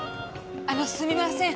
あのすみません